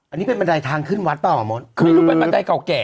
อันนี้เป็นบันไดทางขึ้นวัดเปล่าอ่ะมดคือไม่รู้เป็นบันไดเก่าแก่